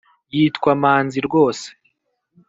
yitwa manzi rwose